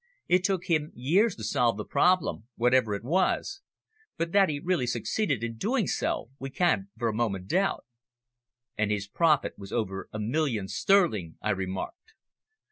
It took him years to solve the problem, whatever it was; but that he really succeeded in doing so we can't for a moment doubt." "And his profit was over a million sterling," I remarked.